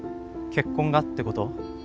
結婚がってこと？